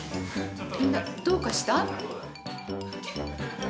みんなどうかした？